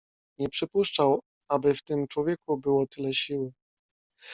"Nie przypuszczał, aby w tym człowieku było tyle siły."